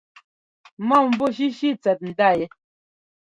Mɔ̂mvú shíshí tsɛt ndá yɛ.